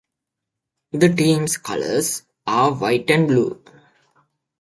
The team's colors are white and blue.